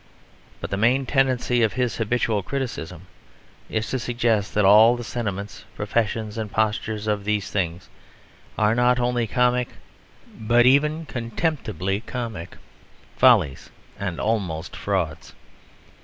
But the main tendency of his habitual criticism is to suggest that all the sentiments, professions, and postures of these things are not only comic but even contemptibly comic, follies and almost frauds.